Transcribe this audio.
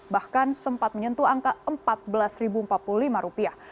bahkan sempat menyentuh angka empat belas empat puluh lima rupiah